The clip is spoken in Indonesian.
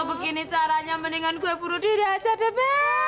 begini caranya mendingan gue buru diri aja deh be